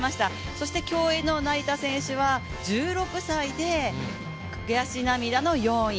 そして競泳の成田選手は１６歳で悔し涙の４位。